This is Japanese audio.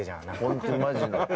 ホントにマジの。